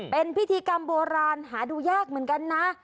เป็นพิธีกรรมโบราณหาดูยากเหมือนกันนะ